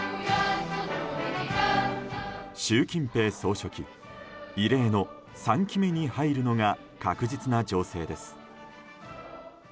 習近平総書記異例の３期目に入るのが確実な情勢です。